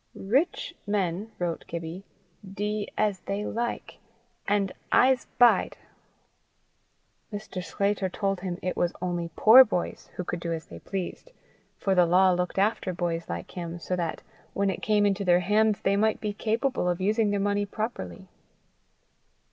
"Writch men," wrote Gibbie, "dee as they like, and Ise bide." Mr. Sclater told him it was only poor boys who could do as they pleased, for the law looked after boys like him, so that, when it came into their hands, they might be capable of using their money properly.